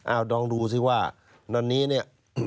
เอาดองดูสิว่าวันนี้เนี่ย